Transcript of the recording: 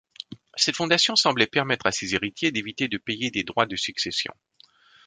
Cette fondation semblait permettre à ses héritiers d'éviter de payer des droits de succession.